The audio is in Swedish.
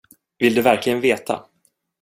Vill du verkligen veta?